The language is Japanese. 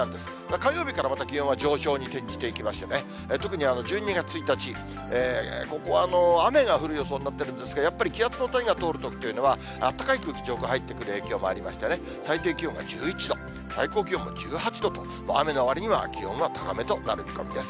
火曜日からまた気温は上昇に転じていきまして、特に１２月１日、ここは雨が降る予想になってるんですが、やっぱり気圧の谷が通るときというのは、あったかい空気、上空入ってくる影響もありましてね、最低気温が１１度、最高気温も１８度と、雨のわりには気温が高めとなる見込みです。